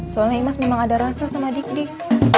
soalnya imas memang ada rasa sama dik dik